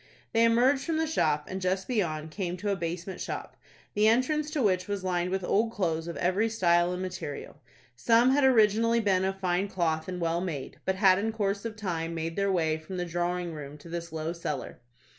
They emerged from the shop, and, just beyond, came to a basement shop, the entrance to which was lined with old clothes of every style and material. Some had originally been of fine cloth and well made, but had in course of time made their way from the drawing room to this low cellar.